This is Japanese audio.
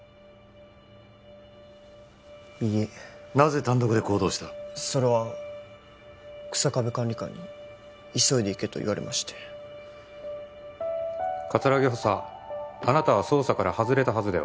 いいえなぜ単独で行動したそれは日下部管理官に急いで行けと言われまして葛城補佐あなたは捜査から外れたはずでは？